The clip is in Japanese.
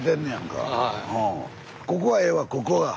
ここがええわここが。